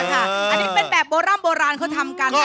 อันนี้เป็นแบบโบราณเขาทำกัน